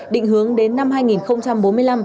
định hướng đến năm hai nghìn bốn mươi năm